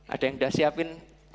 ada yang udah siapin